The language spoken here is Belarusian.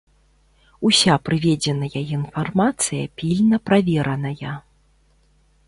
Уся прыведзеная інфармацыя пільна правераная.